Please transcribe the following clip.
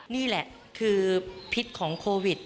นี่แหละคือพิษของโควิด